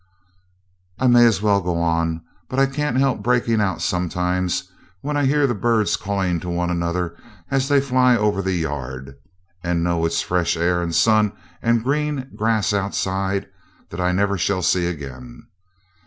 I may as well go on. But I can't help breaking out sometimes when I hear the birds calling to one another as they fly over the yard, and know it's fresh air and sun and green grass outside that I never shall see again.